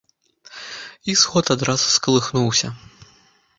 І сход адразу скалыхнуўся.